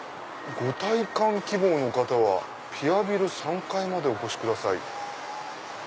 ご体感希望の方はピアビル３階までお越しください。